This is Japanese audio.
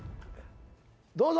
どうぞ。